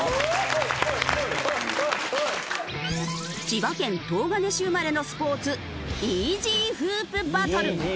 千葉県東金市生まれのスポーツＥＧフープバトル。